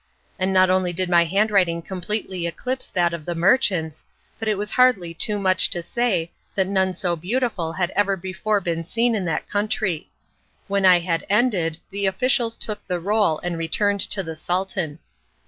And not only did my handwriting completely eclipse that of the merchants, but it is hardly too much to say that none so beautiful had ever before been seen in that country. When I had ended the officials took the roll and returned to the Sultan.